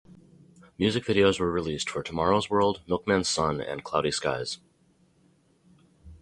Music videos were released for "Tomorrow's World", "Milkman's Son", and "Cloudy Skies".